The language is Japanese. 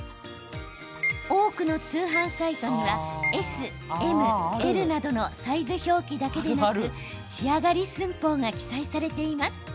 多くの通販サイトにはＳ、Ｍ、Ｌなどのサイズ表記だけでなく仕上がり寸法が記載されています。